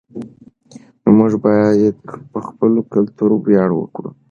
موږ باید په خپل کلتور ویاړ وکړو.